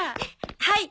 はい。